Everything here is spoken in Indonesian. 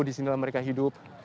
di sinilah mereka hidup